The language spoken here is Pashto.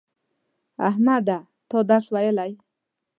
احمده تا درس ویلی